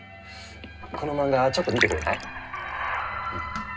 この漫画ちょっと見てくれない？